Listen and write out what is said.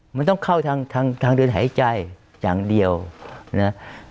มันต้องเข้าทางทางเดินหายใจอย่างเดียวนะ